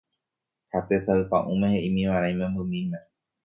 ha tesay pa'ũme he'ímiva'erã imembymíme